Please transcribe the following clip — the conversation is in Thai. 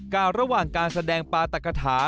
ก้าวระหว่างการแสดงปาตรกะถา